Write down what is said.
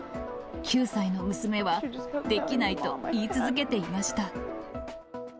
９歳の娘はできないと言い続けていました。